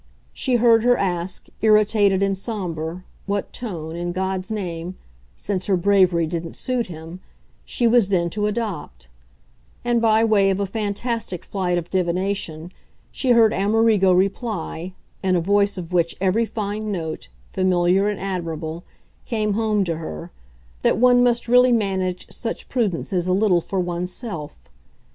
She heard her ask, irritated and sombre, what tone, in God's name since her bravery didn't suit him she was then to adopt; and, by way of a fantastic flight of divination, she heard Amerigo reply, in a voice of which every fine note, familiar and admirable, came home to her, that one must really manage such prudences a little for one's self.